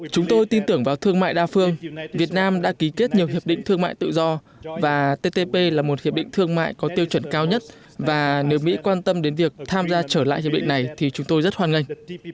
chúng tôi tin tưởng vào thương mại đa phương việt nam đã ký kết nhiều hiệp định thương mại tự do và ttp là một hiệp định thương mại có tiêu chuẩn cao nhất và nếu mỹ quan tâm đến việc tham gia trở lại hiệp định này thì chúng tôi rất hoan nghênh